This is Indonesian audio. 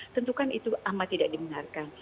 tentukan itu amat tidak dibenarkan